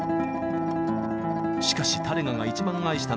しかしタレガが一番愛したのはギター。